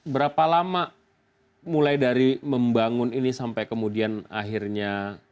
berapa lama mulai dari membangun ini sampai kemudian akhirnya